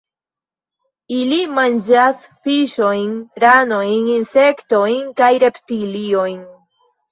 Ili manĝas fiŝojn, ranojn, insektojn kaj reptiliojn.